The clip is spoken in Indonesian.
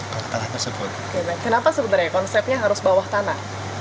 kenapa sebenarnya konsepnya harus bawah tanah